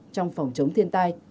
trong phòng chống thiên tai